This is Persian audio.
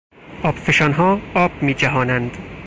آبفشانها آب می جهانند.